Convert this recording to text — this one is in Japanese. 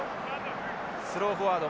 スローフォワード。